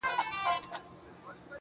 خو زه به بیا هم تر لمني انسان و نه نیسم,